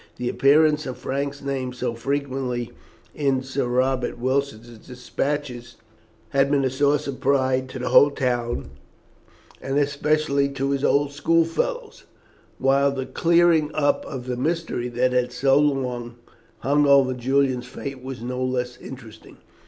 The appearance of Frank's name so frequently in Sir Robert Wilson's despatches had been a source of pride to the whole town, and especially to his old school fellows, while the clearing up of the mystery that had so long hung over Julian's fate was no less interesting.